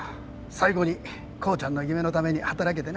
最後に浩ちゃんの夢のために働けてな。